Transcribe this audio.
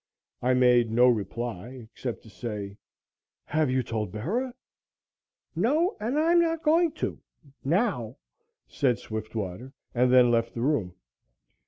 I made no reply except to say: "Have you told Bera?" "No, and I'm not going to now," said Swiftwater and then left the room.